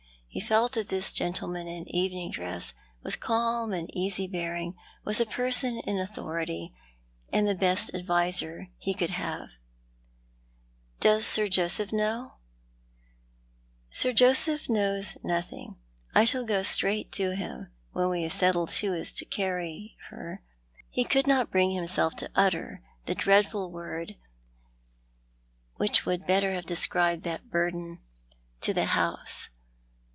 He felt that this gentleman in evening dress, with calm and easy bearing, was a person in authority, and the best adviser he could have. " Does Sir Joseph know ?" he asked. " Sir Joseph knows nothing. I shall go straight to him, when we have settled who is to carry — her "— he could not bring him self to utter the dreadful word which would better have de scribed that burden —" to the house.